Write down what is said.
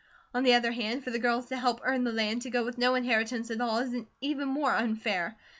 On the other hand, for the girls to help earn the land, to go with no inheritance at all, is even more unfair.